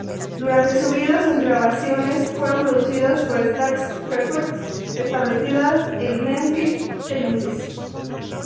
Durante su vida, sus grabaciones fueron producidas por Stax Records, establecida en Memphis, Tennessee.